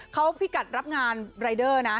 เขาพิกัดรับงานรายเดอร์นะ